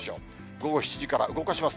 午後７時から動かします。